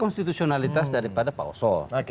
institusionalitas daripada pauso